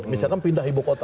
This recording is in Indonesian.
misalkan pindah ibu kota